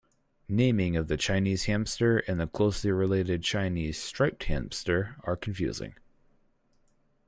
Naming of the Chinese hamster and the closely related Chinese striped hamster are confusing.